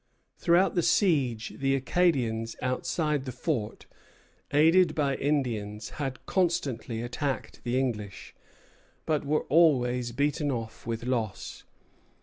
Throughout the siege, the Acadians outside the fort, aided by Indians, had constantly attacked the English, but were always beaten off with loss.